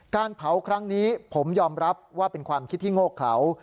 การเผาครั้งนี้ผมยอมรับว่าเป็นความคิดที่โง่เขลา